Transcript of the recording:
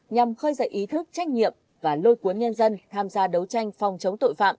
nhằm khơi dậy ý thức trách nhiệm và lôi cuốn nhân dân tham gia đấu tranh phòng chống tội phạm